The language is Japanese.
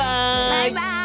バイバイ！